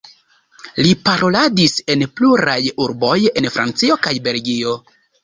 Li paroladis en pluraj urboj en Francio kaj Belgio.